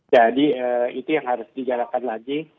jadi itu yang harus dijalankan lagi